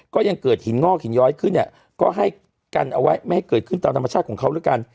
ก็ยังเกิดหินงอกหินย้อยขึ้นเนี่ยก็ให้กันเอาไว้ไม่ให้เกิดขึ้นตามธรรมชาติของเขาแล้วกัน